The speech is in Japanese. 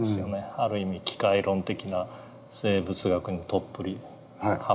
ある意味機械論的な生物学にどっぷりハマって。